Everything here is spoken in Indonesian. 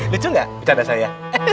lucu gak bercanda saya